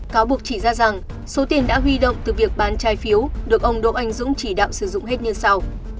cáo buộc chỉ ra rằng số tiền đã huy động từ việc bán trái phiếu được ông đỗ anh dũng chỉ đạo sử dụng hết như sau